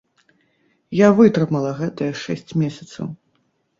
Я вытрымала гэтыя шэсць месяцаў.